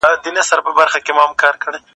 د مور او پلار دعا واخلئ.